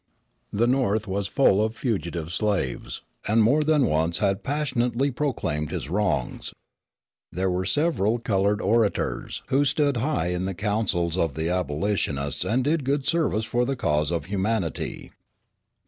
The North was full of fugitive slaves, and more than one had passionately proclaimed his wrongs. There were several colored orators who stood high in the councils of the abolitionists and did good service for the cause of humanity.